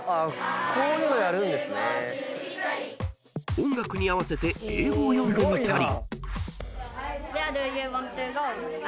［音楽に合わせて英語を読んでみたり］